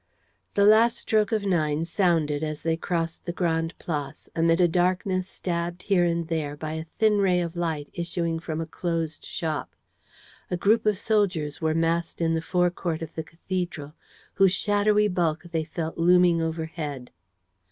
The last stroke of nine sounded as they crossed the Grande Place, amid a darkness stabbed here and there by a thin ray of light issuing from a closed shop. A group of soldiers were massed in the forecourt of the cathedral, whose shadowy bulk they felt looming overhead.